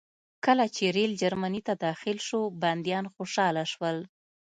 کله چې ریل جرمني ته داخل شو بندیان خوشحاله شول